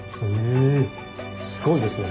えすごいですね。